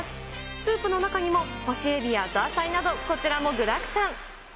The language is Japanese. スープの中にも、干しエビやザーサイなど、こちらも具だくさん。